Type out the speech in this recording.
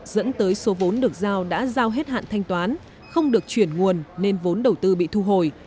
dẫn tới số vốn được giao đã giao hết hạn thanh toán không được chuyển nguồn nên vốn đầu tư bị thu hồi